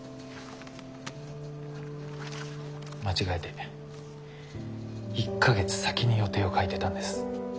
間違えて１か月先に予定を書いてたんです。